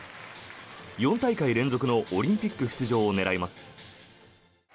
４大会連続のオリンピック出場を狙います。